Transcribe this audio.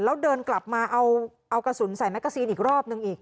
แล้วเดินกลับมาเอากระสุนใส่แมกกาซีนอีกรอบนึงอีก